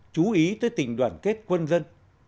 chú ý tới tình đoàn kết quân dân